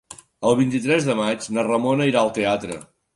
El vint-i-tres de maig na Ramona irà al teatre.